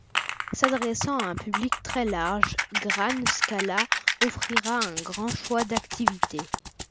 S'adressant à un public très large, Gran Scala offrira un grand choix d'activités.